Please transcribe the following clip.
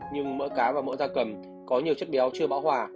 nhưng mỡ cá và mỡ da cầm có nhiều chất béo chưa bão hòa